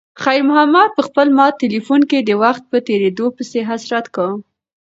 خیر محمد په خپل مات تلیفون کې د وخت په تېریدو پسې حسرت کاوه.